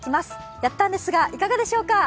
やったんですが、いかがでしたか？